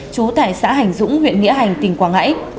chú tại xã hành dũng huyện nghĩa hành tp quảng ngãi